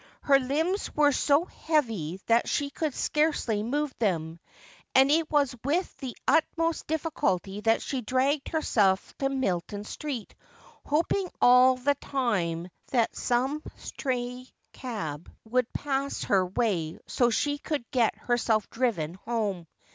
Her limbs were so heavy that she could scarcely move them : and it was with the utmost dirhculty that she dragged herself 10 Milton Street, hoioing all the time that some stray cab would pass her way so that she could get herself driven home.